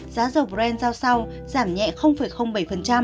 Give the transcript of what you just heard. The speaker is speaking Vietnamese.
giá dầu brand giao sau giảm nhẹ bảy